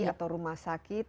atau rumah sakit